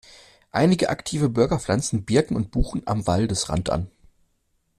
Einige aktive Bürger pflanzen Birken und Buchen am Waldesrand an.